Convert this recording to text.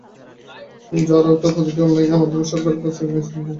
যার আওতায় প্রতিটি অনলাইন মাধ্যমকে সরকারের কাছ থেকে লাইসেন্স নিতে হবে।